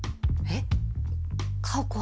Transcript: えっ？